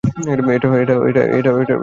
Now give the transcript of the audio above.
এটা তালা মারা!